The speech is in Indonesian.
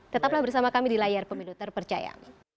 tetaplah bersama kami di layar pemilu terpercaya